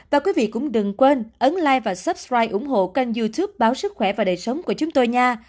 và quý vị cũng đừng quên ấn like và subscribe ủng hộ kênh youtube báo sức khỏe và đời sống của chúng tôi nha